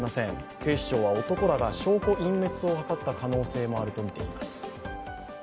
警視庁は男らが証拠隠滅を図った可能性もあるとみています。